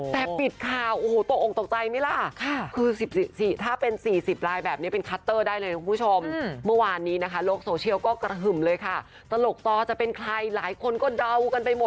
แต่ปิดข่าวโอ้โหตกตกใจไหมล่ะคือถ้าเป็น๔๐ลายแบบนี้เป็นคัตเตอร์ได้เลยคุณผู้ชม